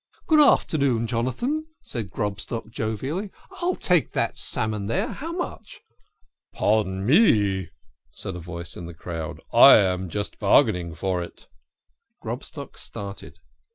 "Good afternoon, Jonathan," said Grobstock jovially, " I'll take that salmon there how much? "" Pardon me," said a voice in the crowd, " I am just bar gaining for it." Grobstock started.